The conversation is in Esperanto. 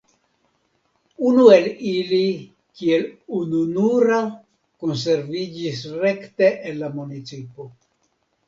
Unu el ili kiel ununura konserviĝis rekte en la municipo.